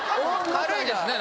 軽いですね